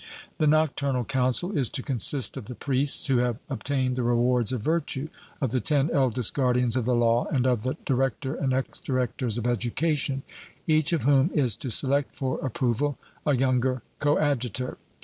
The Nocturnal Council is to consist of the priests who have obtained the rewards of virtue, of the ten eldest guardians of the law, and of the director and ex directors of education; each of whom is to select for approval a younger coadjutor.